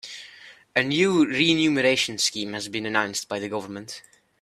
A new renumeration scheme has been announced by the government.